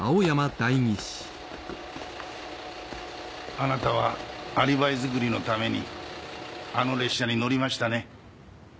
あなたはアリバイ作りのためにあの列車に乗りましたね？